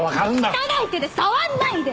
汚い手で触んないで！